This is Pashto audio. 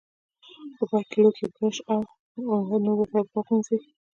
په پای کې لوښي، برش او نور وسایل پاک پرېمنځئ.